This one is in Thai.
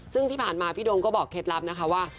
ซึ่งที่ผ่านมาพี่โดมก็บอกเคล็ดลับนะคะว่า